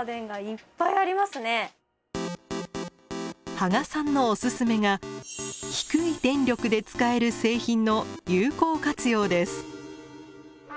芳賀さんのオススメが低い電力で使える製品の有効活用です。